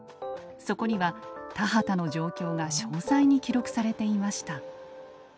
そこには田畑の状況が詳細に記録されていました。